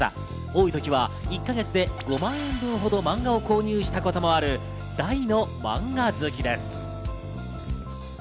多い時は１か月で５万円分ほどマンガを購入したこともある大のマンガ好きです。